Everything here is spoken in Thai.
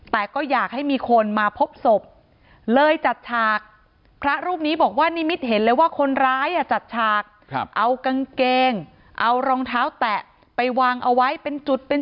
แต่ก็อยากให้มีคนมาพบศพเลยจัดฉากพระรูปนี้บอกว่านิมิตเห็นเลยว่าคนร้ายจัดฉากเอากางเกงเอารองเท้าแตะไปวางเอาไว้เป็นจุดเป็น